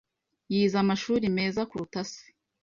Yize amashuri meza kuruta se. .